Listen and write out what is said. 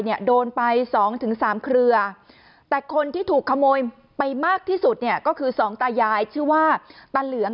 เนี่ยโดนไปสองถึงสามเครือแต่คนที่ถูกขโมยไปมากที่สุดเนี่ยก็คือสองตายายชื่อว่าตาเหลือง